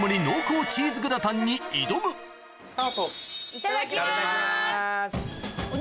・いただきます。